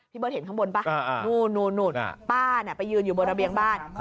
เบิร์ดเห็นข้างบนป่ะนู่นป้าไปยืนอยู่บนระเบียงบ้าน